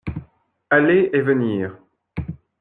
Aller et venir.